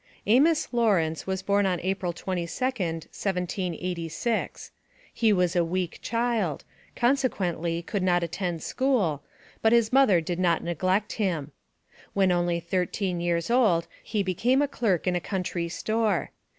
Amos Lawrence was born April 22nd, 1786. He was a weak child, consequently could not attend school, but his mother did not neglect him. When only thirteen years old he became a clerk in a country store.